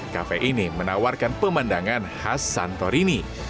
kafe ini menawarkan pemandangan khas santorini